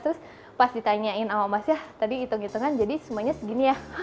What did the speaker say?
terus pas ditanyain sama mas ya tadi hitung hitungan jadi semuanya segini ya